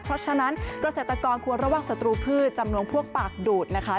เพราะฉะนั้นเกษตรกรควรระวังศัตรูพืชจำนวนพวกปากดูดนะคะ